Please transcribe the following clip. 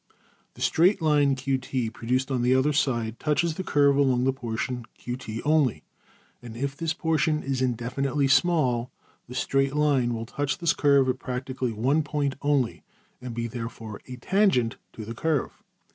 The straight line~$QT$ produced on either side touches the curve along the portion~$QT$ only, and if this portion is indefinitely small, the straight line will touch the curve at practically one point only, and be therefore a \emph{tangent} to the curve.